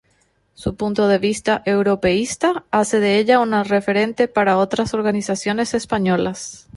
Su punto de vista europeísta hace de ella un referente para otras organizaciones españolas.